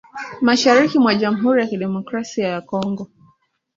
mashariki mwa jamhuri ya kidemokrasia ya Kongo